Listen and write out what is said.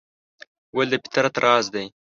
ګل د فطرت راز دی.